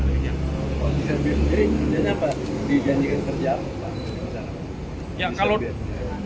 kalau di serbid jadi kerjanya apa dijanjikan kerja apa